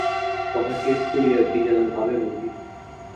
কথা শেষ করিয়া কী যেন ভাবে মতি।